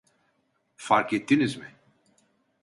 Fark ettiniz mi?